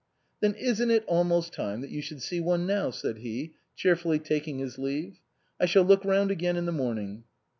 " Then isn't it almost time that you should see one now?" said he, cheerfully taking his leave. " I shall look round again in the morn ing."